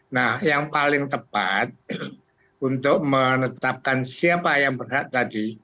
nah yang paling tepat untuk menetapkan siapa yang berhak tadi